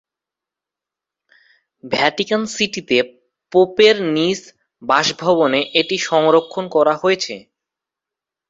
Vatican সিটি-তে পোপের নিজ বাসভবনে এটি সংরক্ষণ করা হয়েছে।